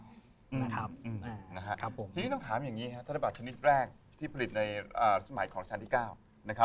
ทีนี้ต้องถามอย่างนี้ครับธนบัตรชนิดแรกที่ผลิตในสมัยของราชการที่๙นะครับ